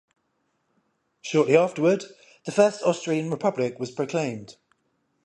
Shortly afterward, the First Austrian Republic was proclaimed.